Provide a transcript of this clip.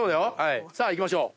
さあいきましょう。